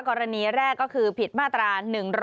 กรณีแรกก็คือผิดมาตรา๑๑๒